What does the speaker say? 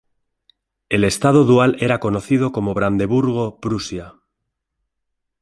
El estado dual era conocido como Brandeburgo-Prusia.